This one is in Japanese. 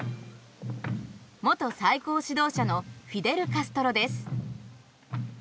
元最高指導者のフィデル・カストロです。